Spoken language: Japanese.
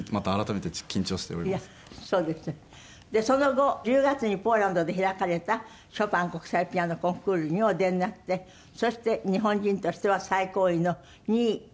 その後１０月にポーランドで開かれたショパン国際ピアノコンクールにお出になってそして日本人としては最高位の２位。